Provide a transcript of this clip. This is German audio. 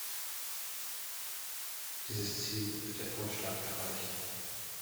Dieses Ziel wird der Vorschlag erreichen.